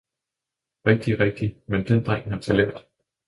"Rigtig, rigtig, men den Dreng har Talent."